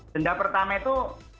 denda pertama itu